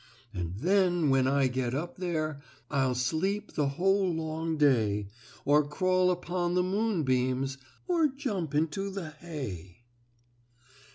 "And then when I get up there I'll sleep the whole long day, Or crawl upon the moonbeams, Or jump into the hay."